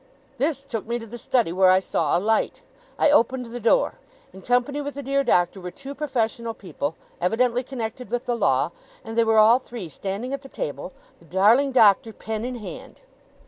This took me to the Study, where I saw a light. I opened the door. In company with the dear Doctor were two professional people, evidently connected with the law, and they were all three standing at the table: the darling Doctor pen in hand.